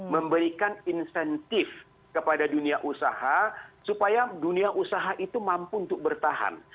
memberikan insentif kepada dunia usaha supaya dunia usaha itu mampu untuk bertahan